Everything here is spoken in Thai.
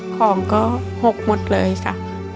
ของก็หกหมดเลยจ้ะ